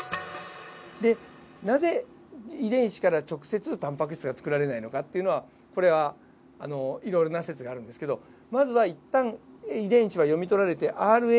なぜ遺伝子から直接タンパク質が作られないのかっていうのはこれはいろいろな説があるんですけどまずは一旦遺伝子が読み取られてＲＮＡが作られる。